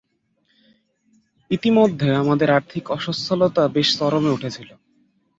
ইতিমধ্যে আমাদের আর্থিক অসচ্ছলতা বেশ চরমে উঠেছিল।